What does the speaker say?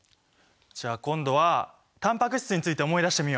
じゃあ今度はタンパク質について思い出してみよう！